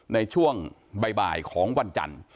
ในช่วงบ่ายของวันจันทร์